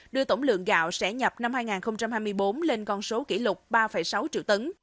đưa tổng lượng gạo sẽ nhập năm hai nghìn hai mươi bốn lên con số kỷ lục ba sáu triệu tấn